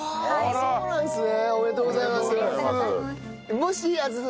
そうなんですね！